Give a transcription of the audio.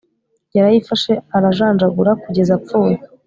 yarayifashe arajanjagura kugeza apfuye